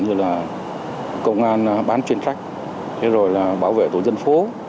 nhưng tại nhiều bất cập